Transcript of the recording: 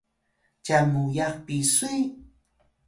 cyan muyax Pisuy?